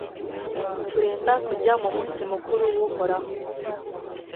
turenda kujya mu munsi mukuru w'uhoraho